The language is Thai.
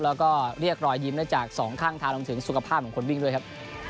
แล้วก็เรียกรอยยิ้มได้จากสองข้างทางรวมถึงสุขภาพของคนวิ่งด้วยครับ